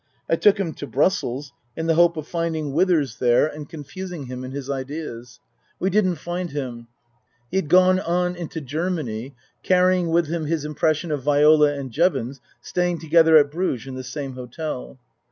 I took him to Brussels in the hope of finding Withers there and 80 Tasker Jevons confusing him in his ideas. We didn't find him. He had gone on into Germany, carrying with him his impression of Viola and Jevons staying together at Bruges in the same hotel.